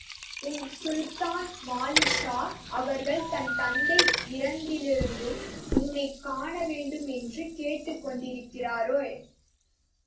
உன் சுல்தான் மாலிக்ஷா அவர்கள் தன் தந்தை இறந்ததிலிருந்து, உன்னைக் காணவேண்டுமென்று கேட்டுக் கொண்டிருக்கிறாரே!